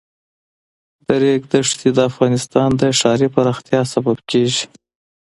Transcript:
د ریګ دښتې د افغانستان د ښاري پراختیا سبب کېږي.